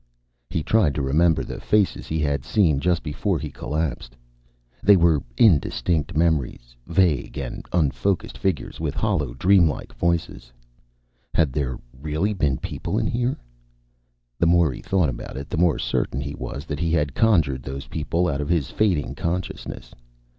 He tried to remember the faces he had seen just before he collapsed. They were indistinct memories, vague and unfocused figures with hollow, dreamlike voices. Had there really been people in here? The more he thought about it, the more certain he was that he had conjured those people out of his fading consciousness.